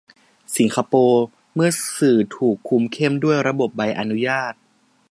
สิงคโปร์ เมื่อสื่อถูกคุมเข้มด้วยระบบใบอนุญาต